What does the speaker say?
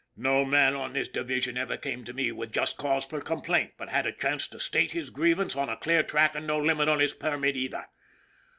No man on this division ever came to me with just cause for complaint but had a chance to state his grievance on a clear track and no limit on his permit either.